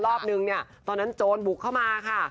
รอบนึงเนี่ยตอนนั้นโจรบุกเข้ามาค่ะ